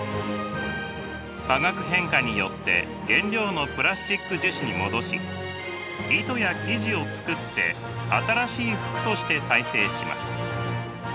化学変化によって原料のプラスチック樹脂に戻し糸や生地を作って新しい服として再生します。